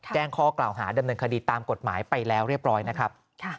แจ้งข้อกล่าวหาดำเนินคดีตามกฎหมายไปแล้วเรียบร้อยนะครับ